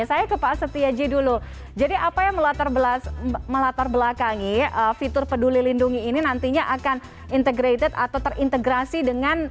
saya ke pak setiaji dulu jadi apa yang melatar belakangi fitur peduli lindungi ini nantinya akan integrated atau terintegrasi dengan